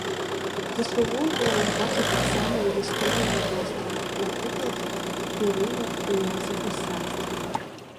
Заслугоўвае ўвагі таксама і гісторыя вострава, напрыклад, перыяд прыняцця хрысціянства.